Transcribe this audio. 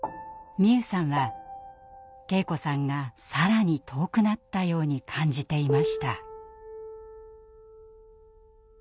美夢さんは圭子さんが更に遠くなったように感じていました。